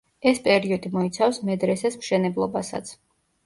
ეს პერიოდი მოიცავს მედრესეს მშენებლობასაც.